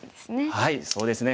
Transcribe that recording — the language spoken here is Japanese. はいそうですね。